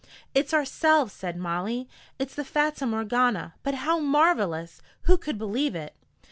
"It's ourselves!" said Molly. "It's the Fata Morgana but how marvelous! Who could believe it?"